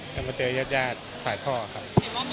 และเจอยาดยาดพลายพ่อครับ